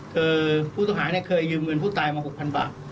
คือผู้ต้องหาเคยยืมเงินผู้ตายมา๖๐๐บาท